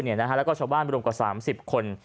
แล้วก็ชาวบ้านรวมกว่า๓๐คน